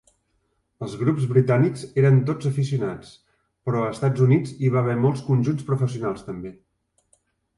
Els grups britànics eren tots aficionats, però a Estats Units hi va haver molts conjunts professionals també.